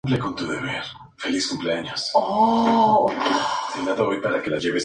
Las motivaciones que llevan a Raistlin a dejarse vencer por La Reina son ambiguas.